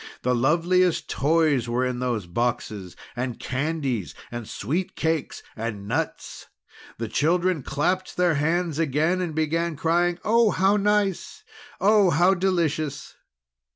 The loveliest toys were in those boxes! and candies, and sweet cakes, and nuts! The children clapped their hands again and again, crying: "Oh, how nice! Oh, how delicious!"